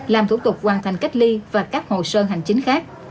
làm thủ tục hoàn thành cách ly và các hồ sơ hành chính khác